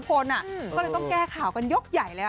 ก็เลยต้องแก้ข่าวกันยกใหญ่เลย